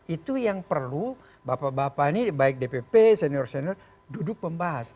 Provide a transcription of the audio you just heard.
itu yang perlu bapak bapak ini baik dpp senior senior duduk membahas